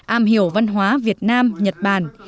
am hiểu văn hóa việt nam nhật bản